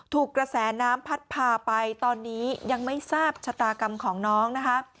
ถูกกระแสน้ำพัดพาไปตอนนี้ยังไม่ทราบชะตากรรมของน้องนะคะ